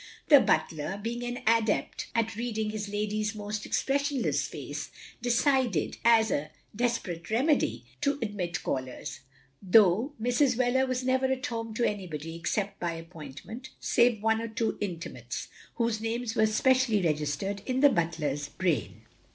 The butler, being an adept at reading his lady's almost expressionless face, decided, as a desperate remedy, to admit callers; though Mrs. Wheler was never at home to anybody except by appointment, save one or two intimates, whose names were specially registered in the butler's brain.